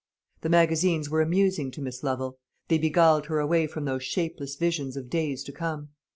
The magazines were amusing to Miss Lovel. They beguiled her away from those shapeless visions of days to come.